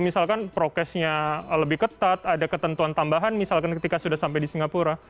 misalkan prokesnya lebih ketat ada ketentuan tambahan misalkan ketika sudah sampai di singapura